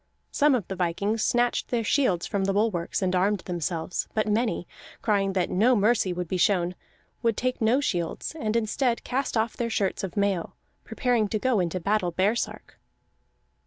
Some of the vikings snatched their shields from the bulwarks and armed themselves; but many, crying that no mercy would be shown, would take no shields, and instead cast off their shirts of mail, preparing to go into battle baresark.